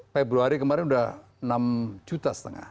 dua ribu delapan belas februari kemarin udah enam juta setengah